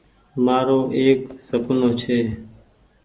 مآرو ايڪ سپنو ڇي۔